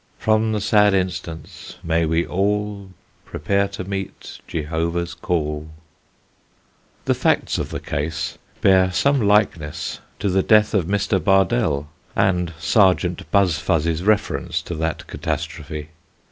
From the sad instance may we all Prepare to meet Jehovah's call. The facts of the case bear some likeness to the death of Mr. Bardell and Serjeant Buzfuz's reference to that catastrophe.